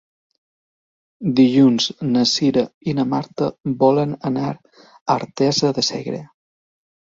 Dilluns na Cira i na Marta volen anar a Artesa de Segre.